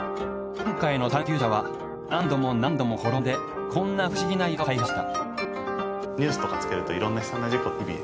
今回の探究者は何度も何度も転んでこんな不思議な床を開発した。